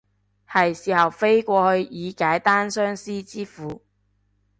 係時候飛過去以解單相思之苦